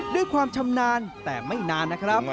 ด้วยความชำนาญแต่ไม่นานนะครับ